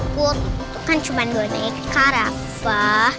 boneka itu kan cuma boneka rafa